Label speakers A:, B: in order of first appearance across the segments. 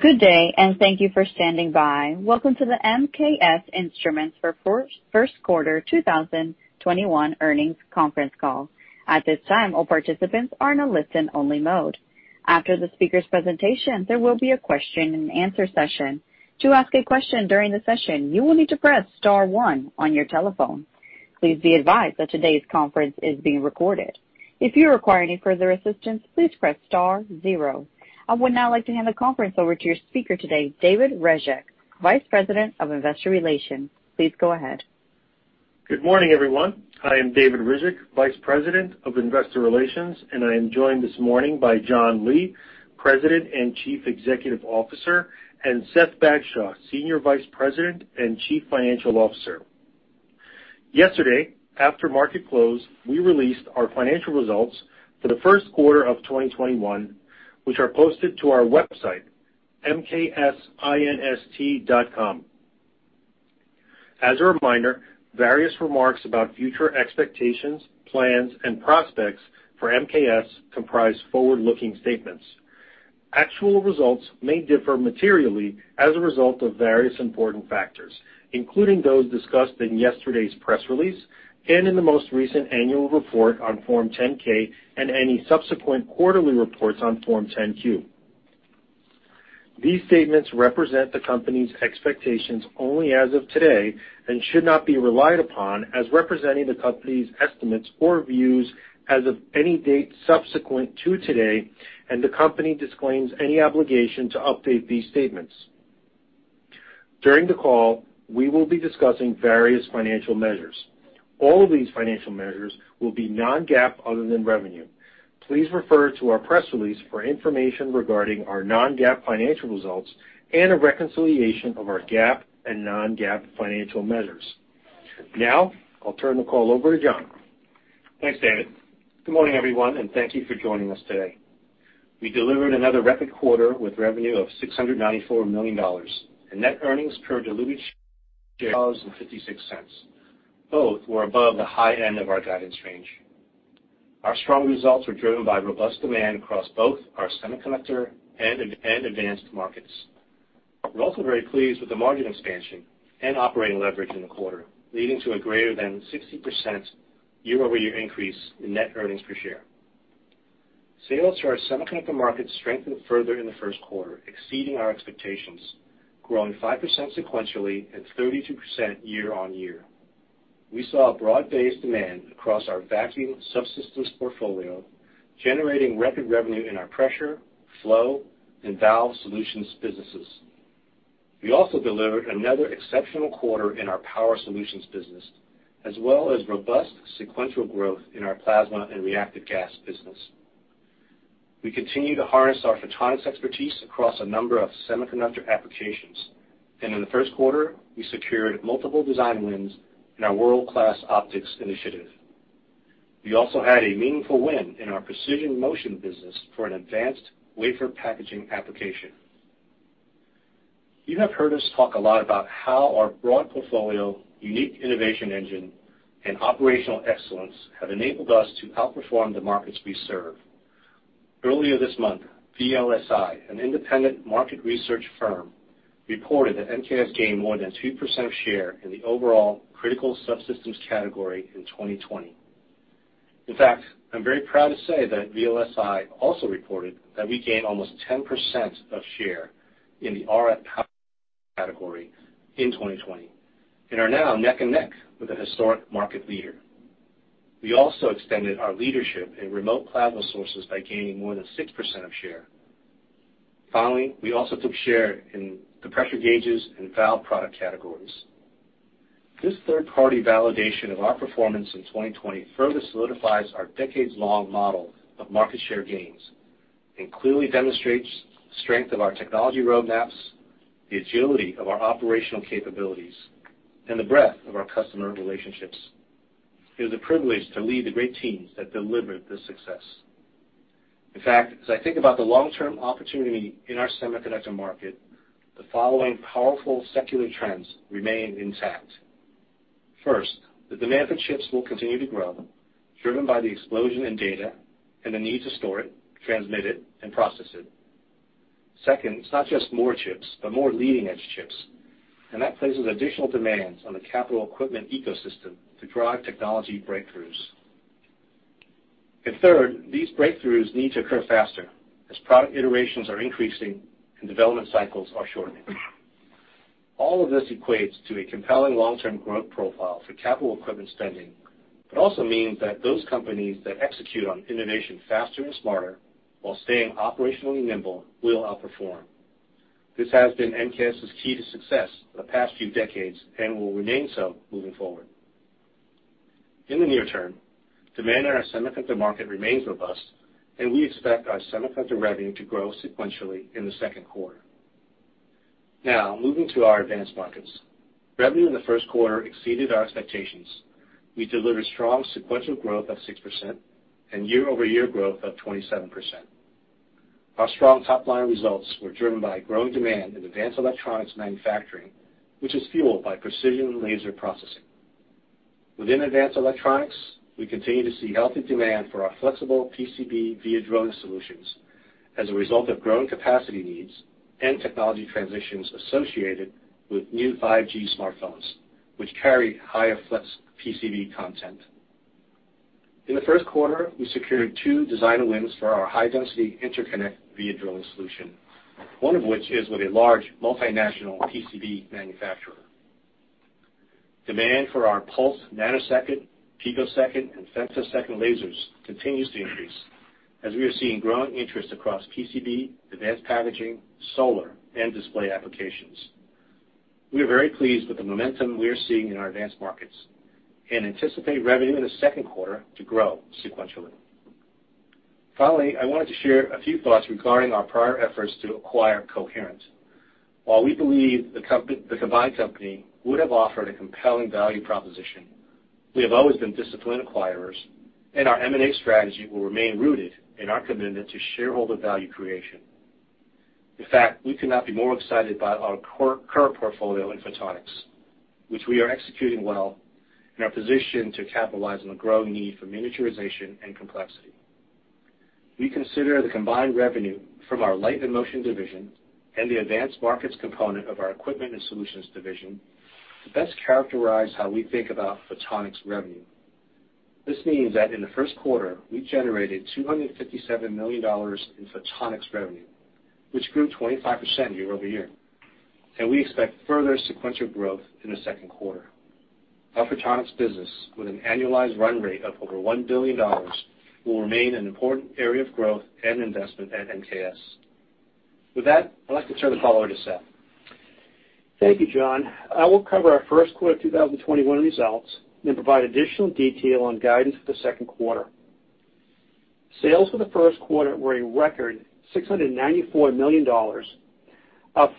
A: Good day, and thank you for standing by. Welcome to the MKS Instruments First Quarter 2021 Earnings Conference Call. At this time, all participants are in a listen-only mode. After the speaker's presentation, there will be a question-and-answer session. To ask a question during the session, you will need to press star 1 on your telephone. Please be advised that today's conference is being recorded. If you require any further assistance, please press star 0. I would now like to hand the conference over to your speaker today, David Ryzhik, Vice President of Investor Relations. Please go ahead.
B: Good morning, everyone. I am David Ryzhik, Vice President of Investor Relations, and I am joined this morning by John Lee, President and Chief Executive Officer, and Seth Bagshaw, Senior Vice President and Chief Financial Officer. Yesterday, after market close, we released our financial results for the first quarter of 2021, which are posted to our website, mksinst.com. As a reminder, various remarks about future expectations, plans, and prospects for MKS comprise forward-looking statements. Actual results may differ materially as a result of various important factors, including those discussed in yesterday's press release and in the most recent annual report on Form 10-K and any subsequent quarterly reports on Form 10-Q. These statements represent the company's expectations only as of today and should not be relied upon as representing the company's estimates or views as of any date subsequent to today, and the company disclaims any obligation to update these statements. During the call, we will be discussing various financial measures. All of these financial measures will be non-GAAP other than revenue. Please refer to our press release for information regarding our non-GAAP financial results and a reconciliation of our GAAP and non-GAAP financial measures. Now, I'll turn the call over to John.
C: Thanks, David. Good morning, everyone, and thank you for joining us today. We delivered another record quarter with revenue of $694 million and net earnings per diluted share of $0.56. Both were above the high end of our guidance range. Our strong results were driven by robust demand across both our semiconductor and advanced markets. We're also very pleased with the margin expansion and operating leverage in the quarter, leading to a greater than 60% year-over-year increase in net earnings per share. Sales to our semiconductor markets strengthened further in the first quarter, exceeding our expectations, growing 5% sequentially and 32% year-over-year. We saw a broad-based demand across our vacuum subsystems portfolio, generating record revenue in our pressure, flow, and valve solutions businesses. We also delivered another exceptional quarter in our power solutions business, as well as robust sequential growth in our plasma and reactive gas business. We continue to harness our photonics expertise across a number of semiconductor applications, and in the first quarter, we secured multiple design wins in our world-class optics initiative. We also had a meaningful win in our precision motion business for an advanced wafer packaging application. You have heard us talk a lot about how our broad portfolio, unique innovation engine, and operational excellence have enabled us to outperform the markets we serve. Earlier this month, VLSI, an independent market research firm, reported that MKS gained more than 2% of share in the overall critical subsystems category in 2020. In fact, I'm very proud to say that VLSI also reported that we gained almost 10% of share in the RF power category in 2020 and are now neck and neck with a historic market leader. We also extended our leadership in remote plasma sources by gaining more than 6% of share. Finally, we also took share in the pressure gauges and valve product categories. This third-party validation of our performance in 2020 further solidifies our decades-long model of market share gains and clearly demonstrates the strength of our technology roadmaps, the agility of our operational capabilities, and the breadth of our customer relationships. It was a privilege to lead the great teams that delivered this success. In fact, as I think about the long-term opportunity in our semiconductor market, the following powerful secular trends remain intact. First, the demand for chips will continue to grow, driven by the explosion in data and the need to store it, transmit it, and process it. Second, it's not just more chips but more leading-edge chips, and that places additional demands on the capital equipment ecosystem to drive technology breakthroughs. And third, these breakthroughs need to occur faster as product iterations are increasing and development cycles are shortening. All of this equates to a compelling long-term growth profile for capital equipment spending but also means that those companies that execute on innovation faster and smarter while staying operationally nimble will outperform. This has been MKS's key to success for the past few decades and will remain so moving forward. In the near term, demand in our semiconductor market remains robust, and we expect our semiconductor revenue to grow sequentially in the second quarter. Now, moving to our advanced markets. Revenue in the first quarter exceeded our expectations. We delivered strong sequential growth of 6% and year-over-year growth of 27%. Our strong top-line results were driven by growing demand in advanced electronics manufacturing, which is fueled by precision laser processing. Within advanced electronics, we continue to see healthy demand for our flexible PCB via drill solutions as a result of growing capacity needs and technology transitions associated with new 5G smartphones, which carry higher flex PCB content. In the first quarter, we secured two design wins for our high-density interconnect via drill solution, one of which is with a large multinational PCB manufacturer. Demand for our pulse, nanosecond, picosecond, and femtosecond lasers continues to increase as we are seeing growing interest across PCB, advanced packaging, solar, and display applications. We are very pleased with the momentum we are seeing in our advanced markets and anticipate revenue in the second quarter to grow sequentially. Finally, I wanted to share a few thoughts regarding our prior efforts to acquire Coherent. While we believe the combined company would have offered a compelling value proposition, we have always been disciplined acquirers, and our M&A strategy will remain rooted in our commitment to shareholder value creation. In fact, we could not be more excited by our current portfolio in photonics, which we are executing well in our position to capitalize on the growing need for miniaturization and complexity. We consider the combined revenue from our Light & Motion division and the advanced markets component of our Equipment & Solutions division to best characterize how we think about photonics revenue. This means that in the first quarter, we generated $257 million in photonics revenue, which grew 25% year-over-year, and we expect further sequential growth in the second quarter. Our photonics business, with an annualized run rate of over $1 billion, will remain an important area of growth and investment at MKS. With that, I'd like to turn the call over to Seth.
D: Thank you, John. I will cover our first quarter 2021 results and provide additional detail on guidance for the second quarter. Sales for the first quarter were a record $694 million, up 5%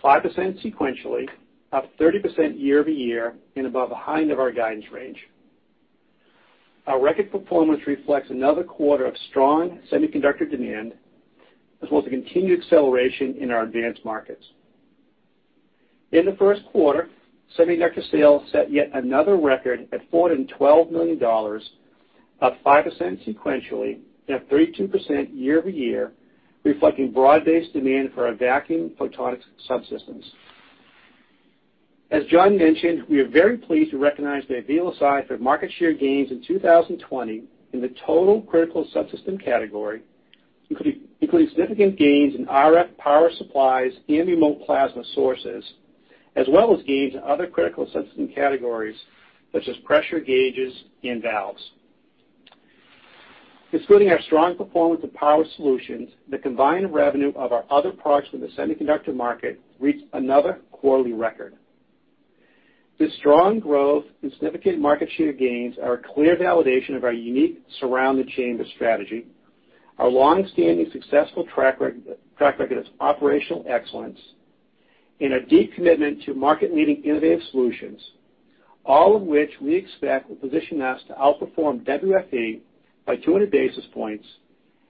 D: sequentially, up 30% year-over-year, and above the high end of our guidance range. Our record performance reflects another quarter of strong semiconductor demand as well as a continued acceleration in our advanced markets. In the first quarter, semiconductor sales set yet another record at $412 million, up 5% sequentially and up 32% year-over-year, reflecting broad-based demand for our vacuum photonics subsystems. As John mentioned, we are very pleased to recognize that VLSI had market share gains in 2020 in the total critical subsystem category, including significant gains in RF power supplies and remote plasma sources, as well as gains in other critical subsystem categories such as pressure gauges and valves. Excluding our strong performance in power solutions, the combined revenue of our other products from the semiconductor market reached another quarterly record. This strong growth and significant market share gains are a clear validation of our unique Surround-the-Chamber strategy, our longstanding successful track record of operational excellence, and our deep commitment to market-leading innovative solutions, all of which we expect will position us to outperform WFE by 200 basis points,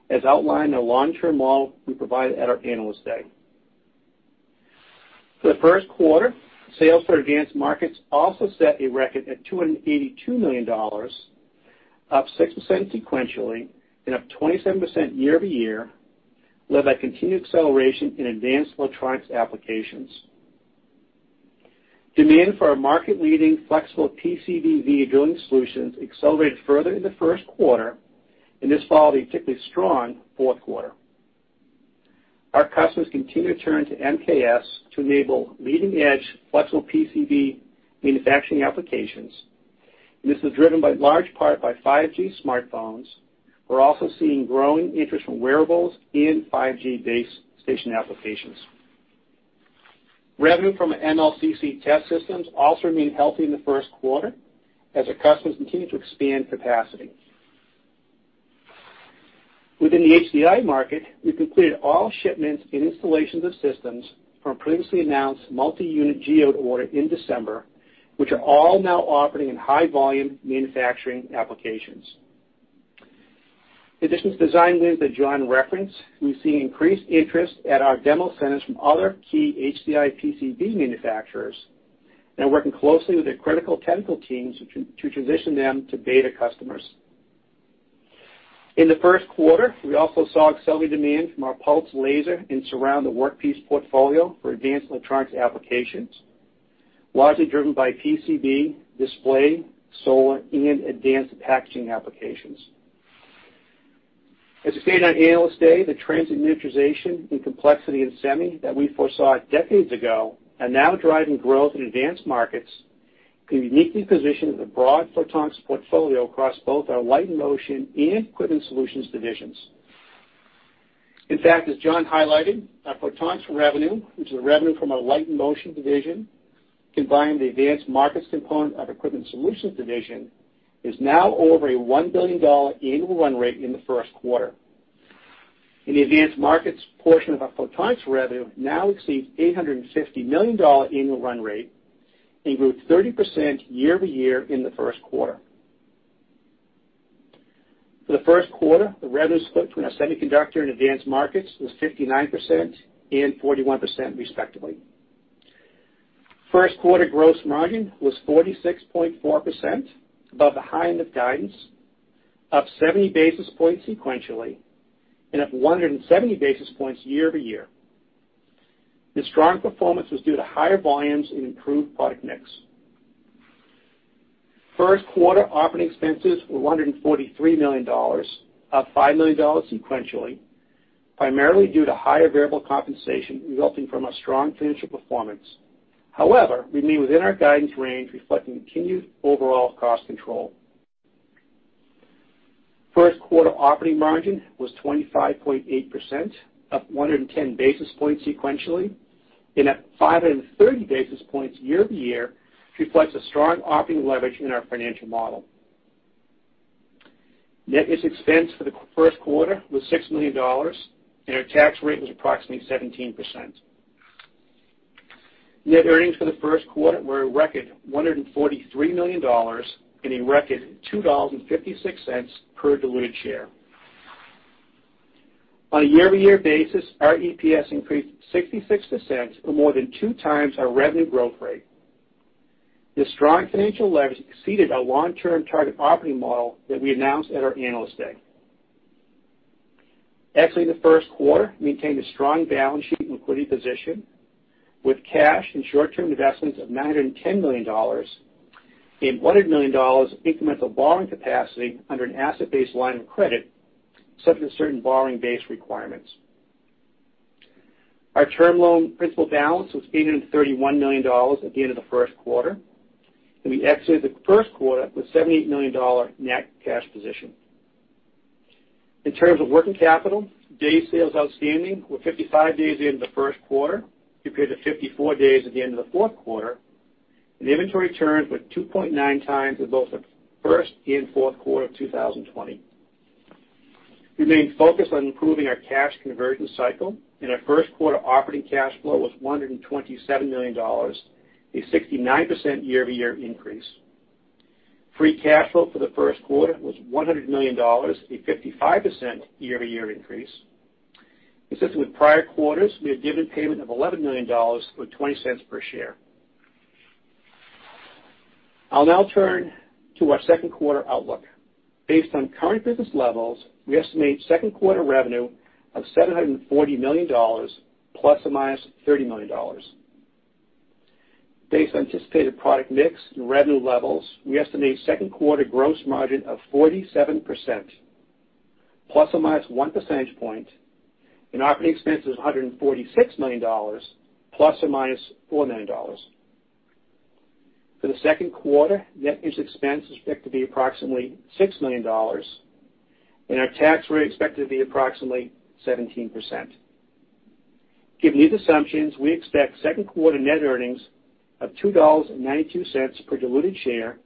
D: as outlined in a long-term model we provided at our Analyst Day. For the first quarter, sales for advanced markets also set a record at $282 million, up 6% sequentially and up 27% year-over-year, led by continued acceleration in advanced electronics applications. Demand for our market-leading flexible PCB via drill solutions accelerated further in the first quarter, and this followed a particularly strong fourth quarter. Our customers continue to turn to MKS to enable leading-edge flexible PCB manufacturing applications, and this is driven in large part by 5G smartphones. We're also seeing growing interest from wearables in 5G base station applications. Revenue from MLCC test systems also remained healthy in the first quarter as our customers continue to expand capacity. Within the HDI market, we completed all shipments and installations of systems from previously announced multi-unit Geode order in December, which are all now operating in high-volume manufacturing applications. In addition to the design wins that John referenced, we're seeing increased interest at our demo centers from other key HDI PCB manufacturers and working closely with their critical technical teams to transition them to beta customers. In the first quarter, we also saw accelerating demand from our pulse, laser, and Surround-the-Workpiece portfolio for advanced electronics applications, largely driven by PCB, display, solar, and advanced packaging applications. As stated on Analyst Day, the trends in miniaturization, in complexity, and Semi that we foresaw decades ago are now driving growth in advanced markets and uniquely positioning the broad photonics portfolio across both our Light & Motion and Equipment & Solutions divisions. In fact, as John highlighted, our photonics revenue, which is the revenue from our Light & Motion division combined with the advanced markets component of Equipment & Solutions division, is now over a $1 billion annual run rate in the first quarter. The advanced markets portion of our photonics revenue now exceeds $850 million annual run rate and grew 30% year-over-year in the first quarter. For the first quarter, the revenue split between our semiconductor and advanced markets was 59% and 41%, respectively. First quarter gross margin was 46.4%, above the high end of guidance, up 70 basis points sequentially, and up 170 basis points year-over-year. This strong performance was due to higher volumes and improved product mix. First quarter operating expenses were $143 million, up $5 million sequentially, primarily due to higher variable compensation resulting from our strong financial performance. However, we remain within our guidance range, reflecting continued overall cost control. First quarter operating margin was 25.8%, up 110 basis points sequentially, and up 530 basis points year-over-year, which reflects a strong operating leverage in our financial model. Interest expense for the first quarter was $6 million, and our tax rate was approximately 17%. Net earnings for the first quarter were a record $143 million and a record $2.56 per diluted share. On a year-over-year basis, our EPS increased 66%, or more than two times our revenue growth rate. This strong financial leverage exceeded our long-term target operating model that we announced at our Analyst Day. Exiting the first quarter, we maintained a strong balance sheet and equity position with cash and short-term investments of $910 million and $100 million incremental borrowing capacity under an asset-based line of credit subject to certain borrowing-based requirements. Our term loan principal balance was $831 million at the end of the first quarter, and we exited the first quarter with a $78 million net cash position. In terms of working capital, Days Sales Outstanding were 55 days at the end of the first quarter compared to 54 days at the end of the fourth quarter, and inventory turns were 2.9 times in both the first and fourth quarter of 2020. We remained focused on improving our cash conversion cycle, and our first quarter operating cash flow was $127 million, a 69% year-over-year increase. Free cash flow for the first quarter was $100 million, a 55% year-over-year increase. Consistent with prior quarters, we had dividend payment of $11 million or $0.20 per share. I'll now turn to our second quarter outlook. Based on current business levels, we estimate second quarter revenue of $740 million ± $30 million. Based on anticipated product mix and revenue levels, we estimate second quarter gross margin of 47% ±1 percentage point, and operating expenses of $146 million ±$4 million. For the second quarter, net interest expense is expected to be approximately $6 million, and our tax rate is expected to be approximately 17%. Given these assumptions, we expect second quarter net earnings of $2.92 per diluted share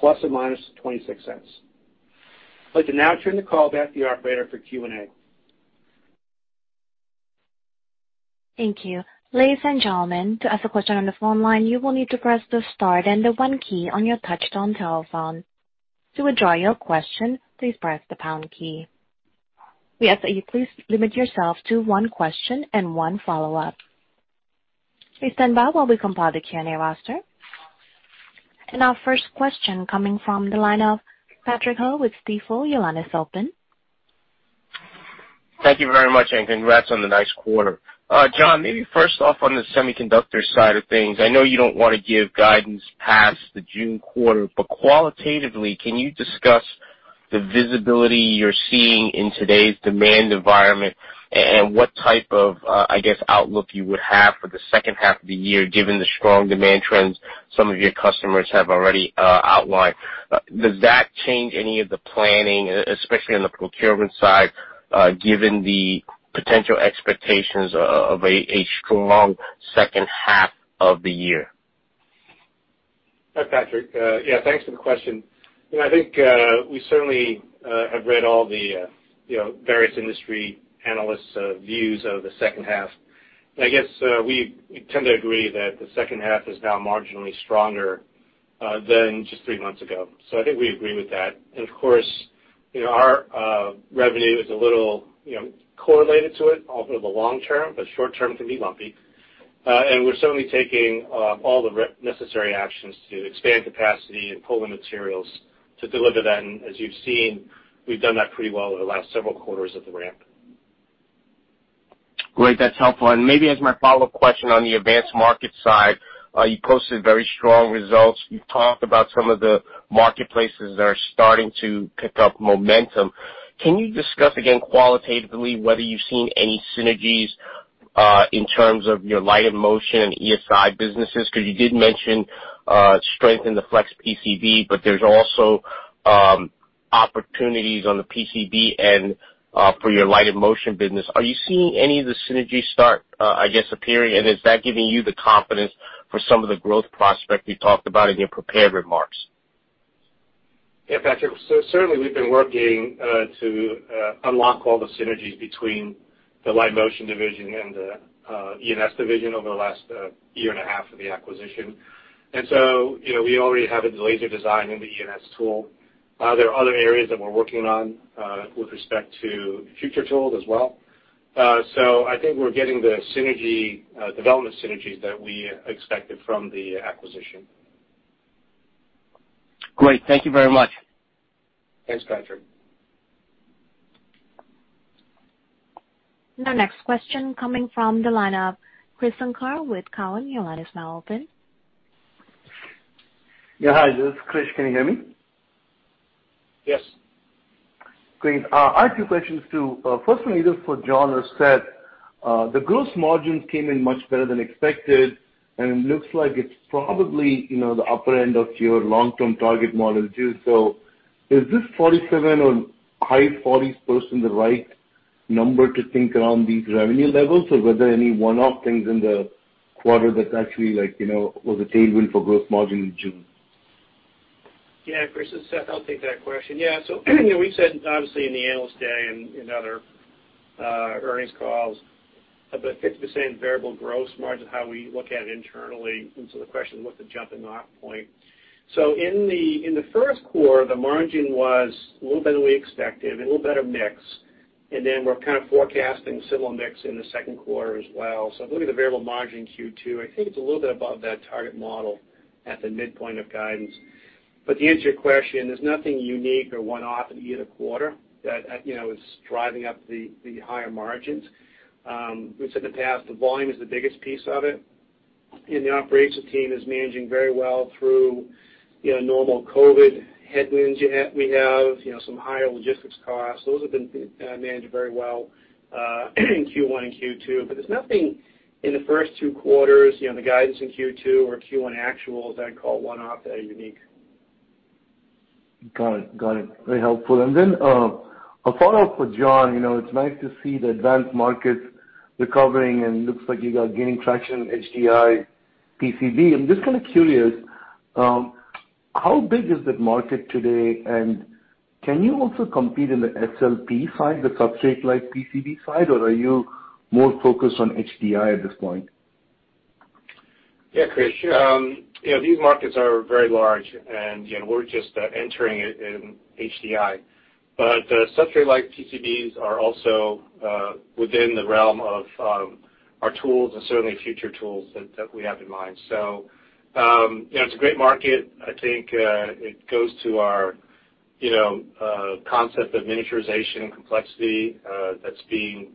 D: ±$0.26. I'd like to now turn the call back to the operator for Q&A.
A: Thank you. Ladies and gentlemen, to ask a question on the phone line, you will need to press the star and the one key on your touch-tone telephone. To withdraw your question, please press the pound key. We ask that you please limit yourself to one question and one follow-up. Please stand by while we compile the Q&A roster. Our first question coming from the line of Patrick Ho with Stifel. Your line is open.
E: Thank you very much, and congrats on the nice quarter. John, maybe first off on the semiconductor side of things. I know you don't want to give guidance past the June quarter, but qualitatively, can you discuss the visibility you're seeing in today's demand environment and what type of, I guess, outlook you would have for the second half of the year given the strong demand trends some of your customers have already outlined? Does that change any of the planning, especially on the procurement side, given the potential expectations of a strong second half of the year?
C: Hi, Patrick. Yeah, thanks for the question. I think we certainly have read all the various industry analysts' views of the second half. I guess we tend to agree that the second half is now marginally stronger than just three months ago. I think we agree with that. Of course, our revenue is a little correlated to it, although the long term, but short term can be lumpy. We're certainly taking all the necessary actions to expand capacity and pull in materials to deliver that. As you've seen, we've done that pretty well over the last several quarters of the ramp.
E: Great. That's helpful. And maybe as my follow-up question on the advanced markets side, you posted very strong results. You've talked about some of the marketplaces that are starting to pick up momentum. Can you discuss again qualitatively whether you've seen any synergies in terms of your Light & Motion and ESI businesses? Because you did mention strength in the flex PCB, but there's also opportunities on the PCB and for your Light & Motion business. Are you seeing any of the synergies start, I guess, appearing? And is that giving you the confidence for some of the growth prospects you talked about in your prepared remarks?
C: Yeah, Patrick. So certainly, we've been working to unlock all the synergies between the Light & Motion division and the E&S division over the last year and a half of the acquisition. And so we already have the laser design and the E&S tool. There are other areas that we're working on with respect to future tools as well. So I think we're getting the development synergies that we expected from the acquisition.
E: Great. Thank you very much.
C: Thanks, Patrick.
A: Now, next question coming from the line of Krish Sankar with Cowen. Your line is now open.
F: Yeah, hi. This is Krish. Can you hear me?
C: Yes.
F: Great. I have two questions too. First one, either for John or Seth, the gross margins came in much better than expected, and it looks like it's probably the upper end of your long-term target model too. So is this 47% or high 40s% the right number to think around these revenue levels, or were there any one-off things in the quarter that actually was a tailwind for gross margin in June?
D: Yeah, Krish this is Seth, I'll take that question. Yeah, so we've said, obviously, in the Analyst Day and other earnings calls, about 50% variable gross margin is how we look at it internally. And so the question was what's the jumping-off point? So in the first quarter, the margin was a little better than we expected and a little better mix. And then we're kind of forecasting similar mix in the second quarter as well. So if you look at the variable margin Q2, I think it's a little bit above that target model at the midpoint of guidance. But to answer your question, there's nothing unique or one-off in either quarter that is driving up the higher margins. We said in the past, the volume is the biggest piece of it. And the operations team is managing very well through normal COVID headwinds we have, some higher logistics costs. Those have been managed very well in Q1 and Q2. But there's nothing in the first two quarters, the guidance in Q2 or Q1 actuals, that I'd call one-off that are unique.
F: Got it. Got it. Very helpful. And then a follow-up for John, it's nice to see the advanced markets recovering, and it looks like you're gaining traction in HDI PCB. I'm just kind of curious, how big is that market today? And can you also compete in the SLP side, the substrate-like PCB side, or are you more focused on HDI at this point?
C: Yeah, Krish. These markets are very large, and we're just entering it in HDI. But substrate-like PCBs are also within the realm of our tools and certainly future tools that we have in mind. So it's a great market. I think it goes to our concept of miniaturization and complexity that's being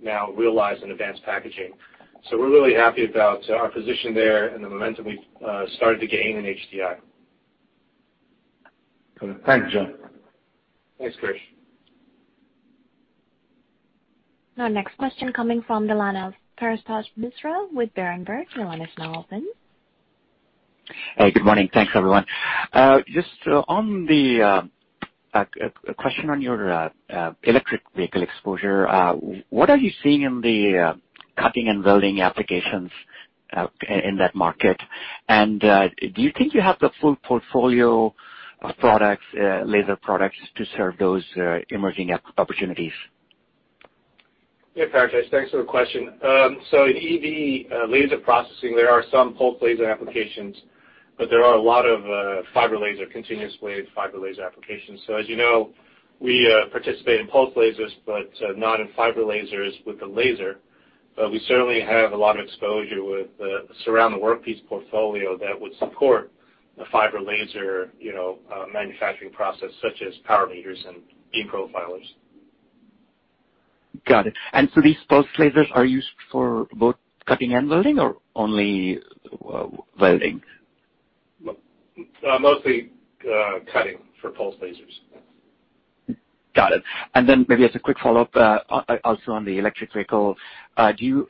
C: now realized in advanced packaging. So we're really happy about our position there and the momentum we've started to gain in HDI.
F: Got it. Thanks, John.
C: Thanks, Krish.
A: Now, next question coming from the line of Paretosh Misra with Berenberg. Your line is now open.
G: Good morning. Thanks, everyone. Just a question on your electric vehicle exposure. What are you seeing in the cutting and welding applications in that market? And do you think you have the full portfolio of laser products to serve those emerging opportunities?
C: Yeah, Paretosh. Thanks for the question. So in EV laser processing, there are some pulse laser applications, but there are a lot of continuous wave fiber laser applications. So as you know, we participate in pulse lasers but not in fiber lasers with the laser. But we certainly have a lot of exposure Surround-the-Workpiece portfolio that would support the fiber laser manufacturing process such as power meters and beam profilers.
G: Got it. And so these pulse lasers are used for both cutting and welding, or only welding?
C: Mostly cutting for pulse lasers.
G: Got it. And then maybe as a quick follow-up also on the electric vehicle, do you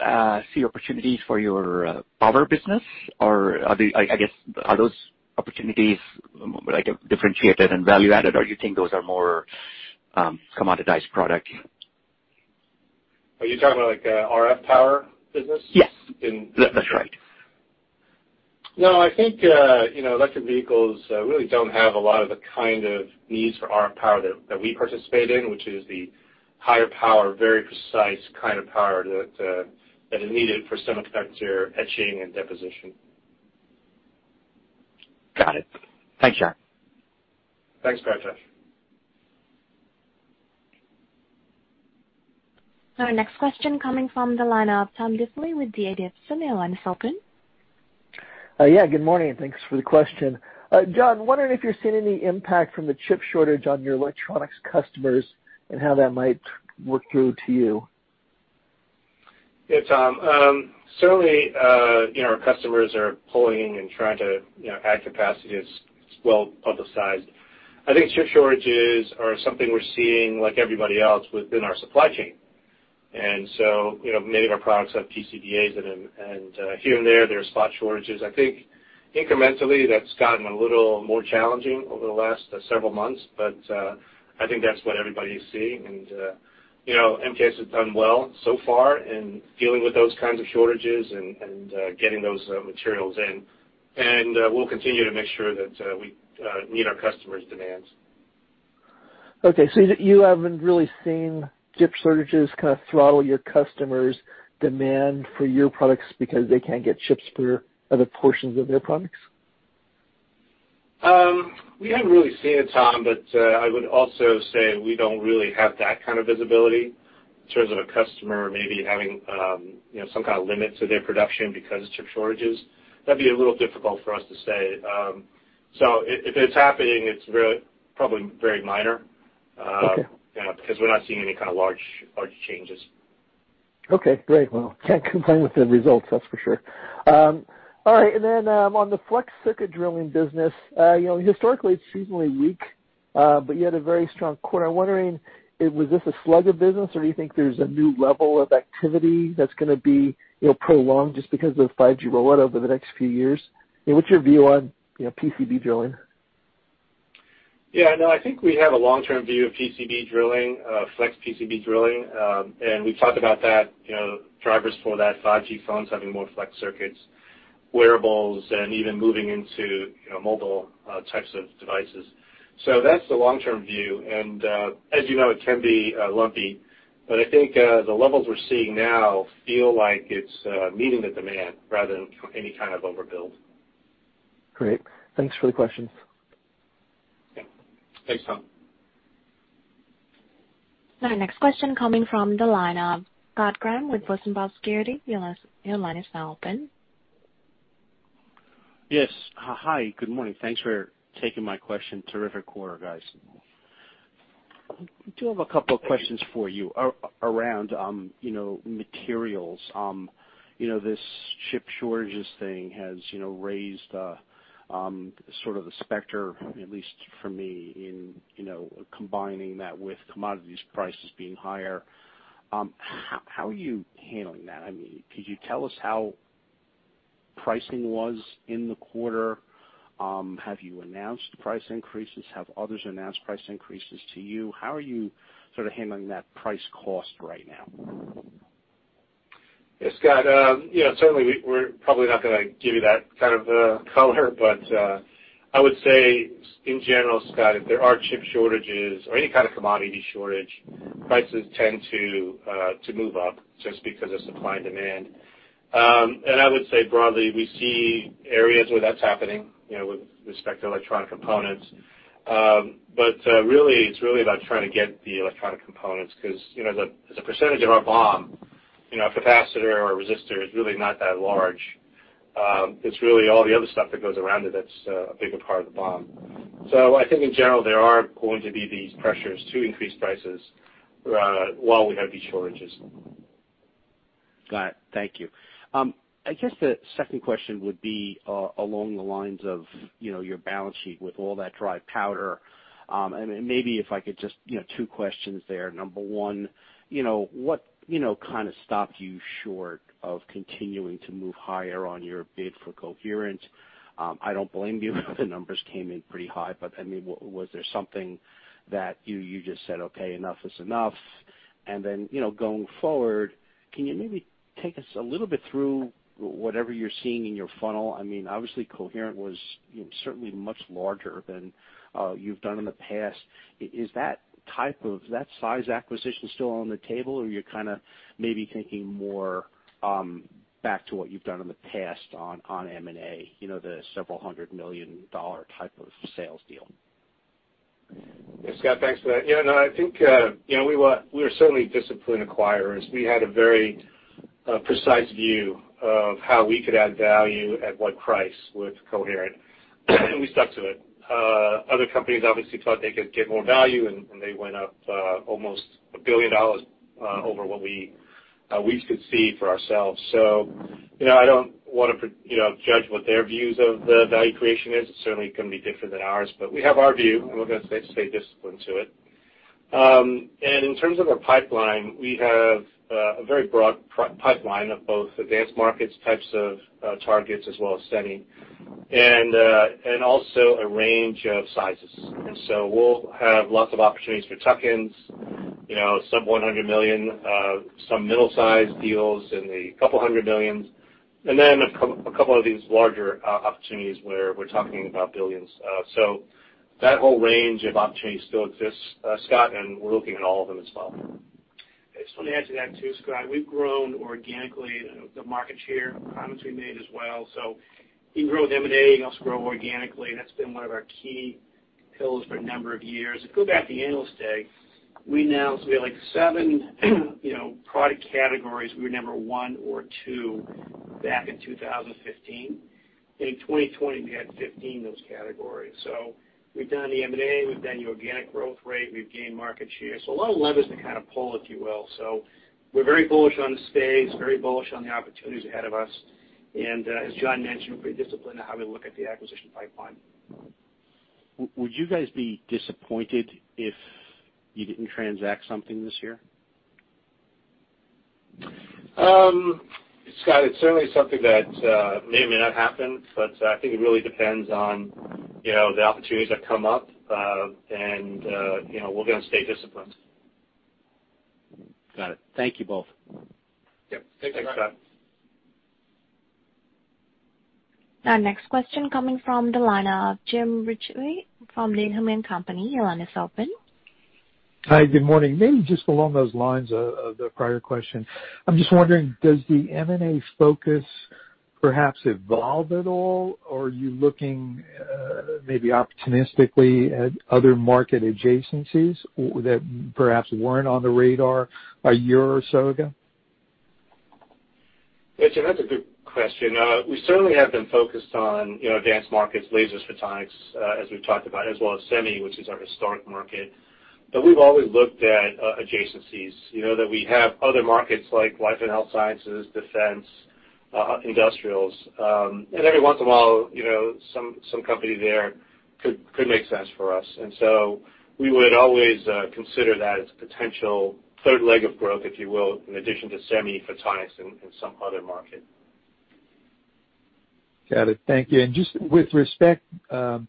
G: see opportunities for your power business, or I guess, are those opportunities differentiated and value-added, or do you think those are more commoditized products?
C: Are you talking about RF power business?
G: Yes. That's right.
C: No, I think electric vehicles really don't have a lot of the kind of needs for RF power that we participate in, which is the higher power, very precise kind of power that is needed for semiconductor etching and deposition.
G: Got it. Thanks, John.
C: Thanks, Paretosh.
A: Now, next question coming from the line of Tom Diffely with D.A. Davidson, your line is open.
H: Yeah, good morning, and thanks for the question. John, wondering if you're seeing any impact from the chip shortage on your electronics customers and how that might work through to you?
C: Yeah, Tom. Certainly, our customers are pulling and trying to add capacity. It's well publicized. I think chip shortages are something we're seeing like everybody else within our supply chain. And so many of our products have PCBAs, and here and there, there are spot shortages. I think incrementally, that's gotten a little more challenging over the last several months, but I think that's what everybody's seeing. And MKS has done well so far in dealing with those kinds of shortages and getting those materials in. And we'll continue to make sure that we meet our customers' demands.
H: Okay. You haven't really seen chip shortages kind of throttle your customers' demand for your products because they can't get chips for other portions of their products?
C: We haven't really seen it, Tom, but I would also say we don't really have that kind of visibility in terms of a customer maybe having some kind of limit to their production because of chip shortages. That'd be a little difficult for us to say. If it's happening, it's probably very minor because we're not seeing any kind of large changes.
H: Okay. Great. Well, can't complain with the results, that's for sure. All right. And then on the flex circuit drilling business, historically, it's seasonally weak, but you had a very strong quarter. I'm wondering, was this a slug of business, or do you think there's a new level of activity that's going to be prolonged just because of the 5G rollout over the next few years? What's your view on PCB drilling?
C: Yeah, no, I think we have a long-term view of flex PCB drilling. And we've talked about drivers for that, 5G phones having more flex circuits, wearables, and even moving into mobile types of devices. So that's the long-term view. And as you know, it can be lumpy. But I think the levels we're seeing now feel like it's meeting the demand rather than any kind of overbuild.
I: Great. Thanks for the questions.
C: Yeah. Thanks, Tom.
A: Now, next question coming from the line of Scott Graham with Rosenblatt Securities. Scott, your line is now open.
J: Yes. Hi. Good morning. Thanks for taking my question. Terrific quarter, guys. I do have a couple of questions for you around materials. This chip shortages thing has raised sort of the specter, at least for me, in combining that with commodities prices being higher. How are you handling that? I mean, could you tell us how pricing was in the quarter? Have you announced price increases? Have others announced price increases to you? How are you sort of handling that price-cost right now?
C: Yeah, Scott, certainly, we're probably not going to give you that kind of color, but I would say, in general, Scott, if there are chip shortages or any kind of commodity shortage, prices tend to move up just because of supply and demand. And I would say broadly, we see areas where that's happening with respect to electronic components. But really, it's really about trying to get the electronic components because as a percentage of our BOM, a capacitor or a resistor is really not that large. It's really all the other stuff that goes around it that's a bigger part of the BOM. So I think, in general, there are going to be these pressures to increase prices while we have these shortages.
J: Got it. Thank you. I guess the second question would be along the lines of your balance sheet with all that dry powder. And maybe if I could just two questions there. Number one, what kind of stopped you short of continuing to move higher on your bid for Coherent? I don't blame you if the numbers came in pretty high, but I mean, was there something that you just said, "Okay, enough is enough"? And then going forward, can you maybe take us a little bit through whatever you're seeing in your funnel? I mean, obviously, Coherent was certainly much larger than you've done in the past. Is that size acquisition still on the table, or are you kind of maybe thinking more back to what you've done in the past on M&A, the several-hundred-million-dollar type of sales deal?
C: Yeah, Scott, thanks for that. Yeah, no, I think we were certainly disciplined acquirers. We had a very precise view of how we could add value at what price with Coherent, and we stuck to it. Other companies, obviously, thought they could get more value, and they went up almost $1 billion over what we could see for ourselves. So I don't want to judge what their views of the value creation is. It's certainly going to be different than ours, but we have our view, and we're going to stay disciplined to it. And in terms of our pipeline, we have a very broad pipeline of both advanced markets types of targets as well as Semi and also a range of sizes. So we'll have lots of opportunities for tuck-ins, sub-$100 million, some middle-sized deals in the $200 millions, and then a couple of these larger opportunities where we're talking about $ billions. So that whole range of opportunities still exists, Scott, and we're looking at all of them as well.
D: Just wanted to add to that too, Scott. We've grown organically. The market share comments we made as well. So we can grow with M&A. We also grow organically. That's been one of our key pillars for a number of years. If you go back to the Analyst Day, we announced we had 7 product categories. We were number 1 or 2 back in 2015. And in 2020, we had 15 of those categories. So we've done the M&A. We've done the organic growth rate. We've gained market share. So a lot of levers to kind of pull, if you will. So we're very bullish on the space, very bullish on the opportunities ahead of us. And as John mentioned, we're pretty disciplined in how we look at the acquisition pipeline.
J: Would you guys be disappointed if you didn't transact something this year?
C: Scott, it's certainly something that may or may not happen, but I think it really depends on the opportunities that come up, and we're going to stay disciplined.
J: Got it. Thank you both.
C: Yep. Thanks, Scott.
A: Now, next question coming from the line of Jim Ricchiuti from Needham & Company. Your line is open.
K: Hi. Good morning. Maybe just along those lines of the prior question, I'm just wondering, does the M&A focus perhaps evolve at all, or are you looking maybe opportunistically at other market adjacencies that perhaps weren't on the radar a year or so ago?
C: Yeah, Jim, that's a good question. We certainly have been focused on advanced markets, lasers, photonics, as we've talked about, as well as Semi, which is our historic market. But we've always looked at adjacencies, that we have other markets like life and health sciences, defense, industrials. And every once in a while, some company there could make sense for us. And so we would always consider that as a potential third leg of growth, if you will, in addition to Semi, photonics, and some other market.
K: Got it. Thank you. And just with respect to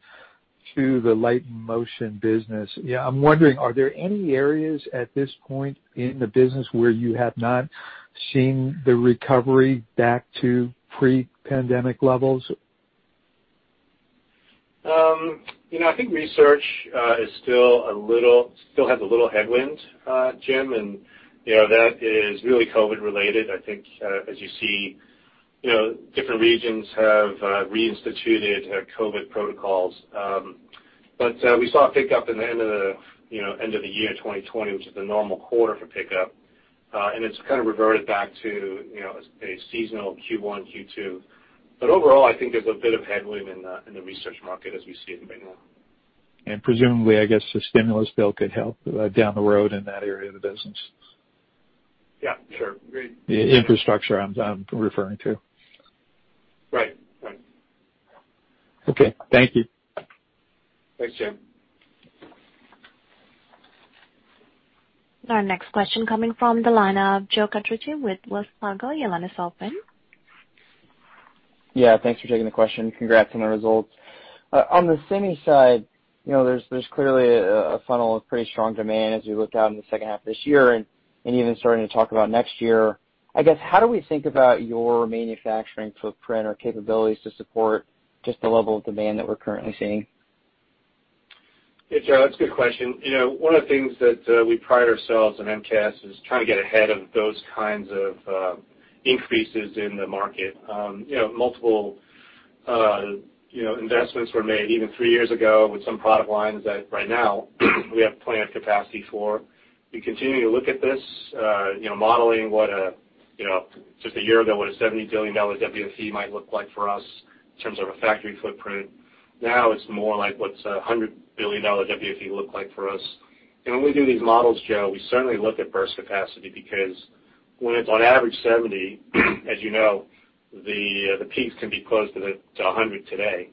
K: the Light & Motion business, yeah, I'm wondering, are there any areas at this point in the business where you have not seen the recovery back to pre-pandemic levels?
C: I think research still has a little headwind, Jim, and that is really COVID-related. I think, as you see, different regions have reinstituted COVID protocols. But we saw a pickup in the end of the year 2020, which is the normal quarter for pickup, and it's kind of reverted back to a seasonal Q1, Q2. But overall, I think there's a bit of headwind in the research market as we see it right now.
K: Presumably, I guess a stimulus bill could help down the road in that area of the business.
C: Yeah, sure. Great.
K: The infrastructure I'm referring to.
C: Right. Right.
K: Okay. Thank you.
C: Thanks, Jim.
A: Now, next question coming from the line of Joe Quatrochi with Wells Fargo. Your line is open
L: Yeah, thanks for taking the question. Congrats on the results. On the Semi side, there's clearly a funnel of pretty strong demand as we look out in the second half of this year and even starting to talk about next year. I guess, how do we think about your manufacturing footprint or capabilities to support just the level of demand that we're currently seeing?
D: Yeah, Joe, that's a good question. One of the things that we pride ourselves in MKS is trying to get ahead of those kinds of increases in the market. Multiple investments were made even 3 years ago with some product lines that right now, we have plenty of capacity for. We continue to look at this, modeling what, just a year ago, what a $70 billion WFE might look like for us in terms of a factory footprint. Now, it's more like what's a $100 billion WFE look like for us. And when we do these models, Joe, we certainly look at burst capacity because when it's on average 70, as you know, the peaks can be close to 100 today.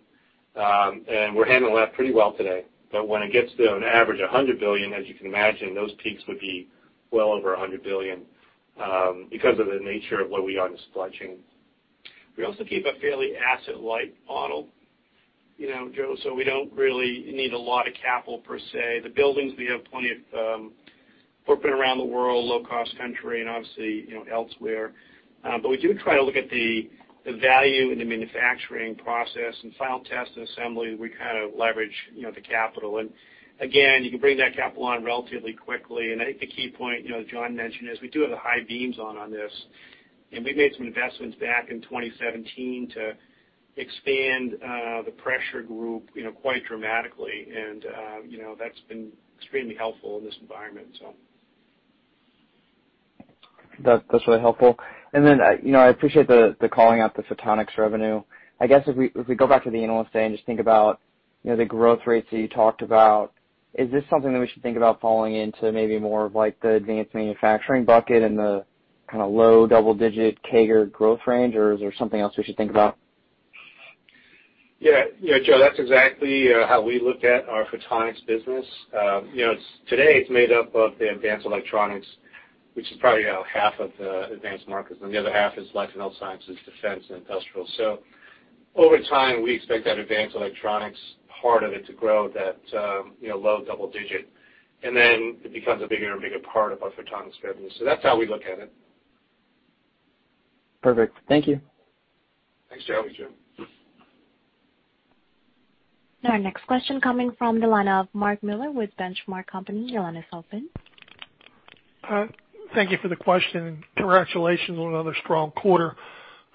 D: And we're handling that pretty well today. But when it gets to an average $100 billion, as you can imagine, those peaks would be well over $100 billion because of the nature of where we are in the supply chain. We also keep a fairly asset-light model, Joe, so we don't really need a lot of capital per se. The buildings, we have plenty of footprint around the world, low-cost country, and obviously elsewhere. But we do try to look at the value in the manufacturing process and final test and assembly. We kind of leverage the capital. And again, you can bring that capital on relatively quickly. And I think the key point John mentioned is we do have the high beams on on this. And we made some investments back in 2017 to expand the pressure group quite dramatically, and that's been extremely helpful in this environment, so.
L: That's really helpful. And then I appreciate the calling out the photonics revenue. I guess if we go back to the Analyst Day and just think about the growth rates that you talked about, is this something that we should think about falling into maybe more of the advanced manufacturing bucket and the kind of low double-digit CAGR growth range, or is there something else we should think about?
D: Yeah, Joe, that's exactly how we look at our photonics business. Today, it's made up of the advanced electronics, which is probably about half of the advanced markets. And the other half is life and health sciences, defense, and industrial. So over time, we expect that advanced electronics part of it to grow, that low double-digit, and then it becomes a bigger and bigger part of our photonics revenue. So that's how we look at it.
L: Perfect. Thank you.
C: Thanks, Joe.
A: Now, next question coming from the line of Mark Miller with The Benchmark Company. Your line is open.
M: Thank you for the question, and congratulations on another strong quarter.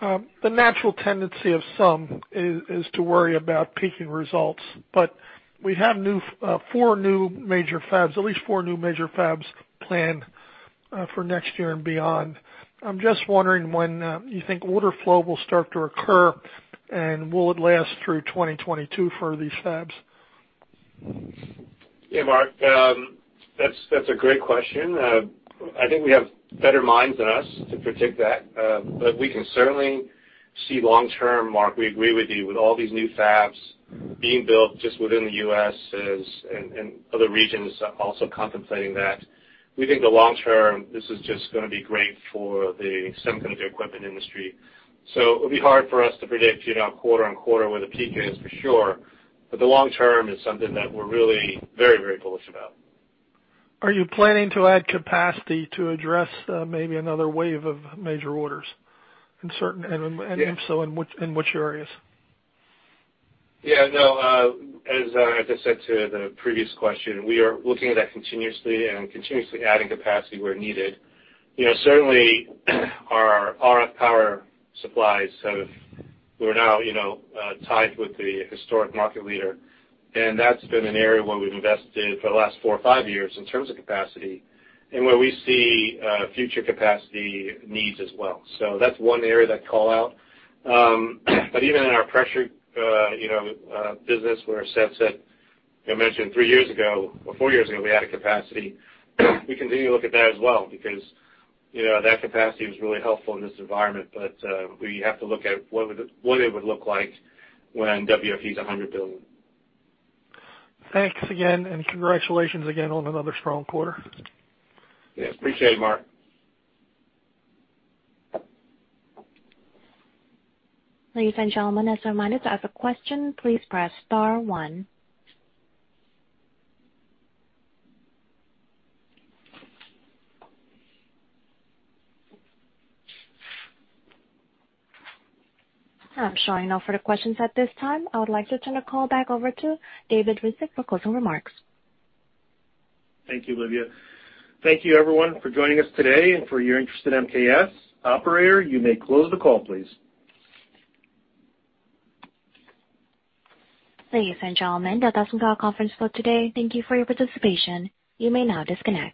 M: The natural tendency of some is to worry about peaking results, but we have four new major fabs, at least four new major fabs planned for next year and beyond. I'm just wondering when you think order flow will start to occur, and will it last through 2022 for these fabs?
C: Yeah, Mark, that's a great question. I think we have better minds than us to predict that, but we can certainly see long term, Mark, we agree with you, with all these new fabs being built just within the U.S. and other regions also contemplating that. We think the long term, this is just going to be great for the semiconductor equipment industry. So it'll be hard for us to predict quarter-on-quarter where the peak is for sure, but the long term is something that we're really very, very bullish about.
M: Are you planning to add capacity to address maybe another wave of major orders? And if so, in which areas?
C: Yeah, no, as I just said to the previous question, we are looking at that continuously and continuously adding capacity where needed. Certainly, our RF power supplies have we're now tied with the historic market leader, and that's been an area where we've invested for the last four or five years in terms of capacity and where we see future capacity needs as well. So that's one area that calls out. But even in our pressure business, where Seth said, I mentioned three years ago or four years ago, we added capacity, we continue to look at that as well because that capacity was really helpful in this environment. But we have to look at what it would look like when WFE's $100 billion.
M: Thanks again, and congratulations again on another strong quarter.
C: Yes, appreciate it, Mark.
A: Ladies and gentlemen, as a reminder, to ask a question, please press star one. I'm showing no further questions at this time. I would like to turn the call back over to David Ryzhik for closing remarks.
B: Thank you, Olivia. Thank you, everyone, for joining us today and for your interest in MKS. Operator, you may close the call, please.
A: Ladies and gentlemen, that does conclude our conference call today. Thank you for your participation. You may now disconnect.